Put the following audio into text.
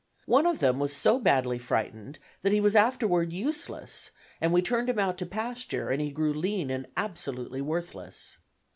One of them was so badly frightened that he was afterward useless and we turned him out to pasture and he grew lean and absolutely worthless.